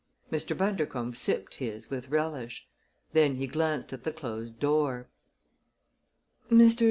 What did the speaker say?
Mr. Bundercombe sipped his with relish. Then he glanced at the closed door. "Mr.